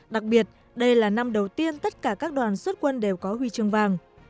đặc biệt đây là năm đầu tiên tất cả các đoàn xuất quân đều có huy chương vàng